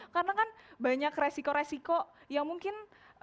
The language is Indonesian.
karena kan banyak resiko resiko yang mungkin